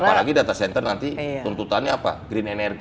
apalagi data center nanti tuntutannya apa green energy